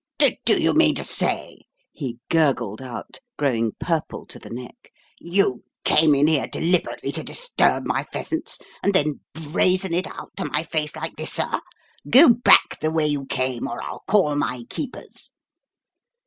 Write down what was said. "Do you mean to say," he gurgled out, growing purple to the neck, "you came in here deliberately to disturb my pheasants, and then brazen it out to my face like this, sir? Go back the way you came, or I'll call my keepers."